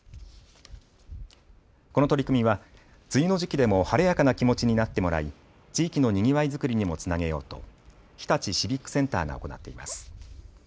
この取り組みは梅雨の時期でも晴れやかな気持ちになってもらい地域のにぎわいづくりにもつなげようと日立シビックセンターが行っています。